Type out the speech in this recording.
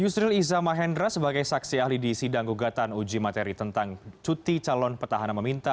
yusril iza mahendra sebagai saksi ahli di sidang gugatan uji materi tentang cuti calon petahana meminta